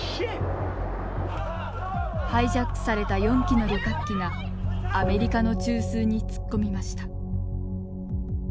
ハイジャックされた４機の旅客機がアメリカの中枢に突っ込みました。